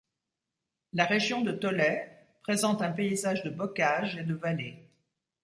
La région de Thollet présente un paysage de bocages et de vallées.